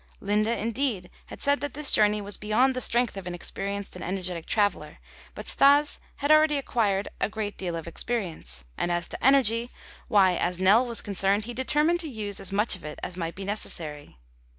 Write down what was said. Linde indeed had said that this journey was beyond the strength of an experienced and energetic traveler, but Stas had already acquired a great deal of experience, and as to energy, why, as Nell was concerned, he determined to use as much of it as might be necessary.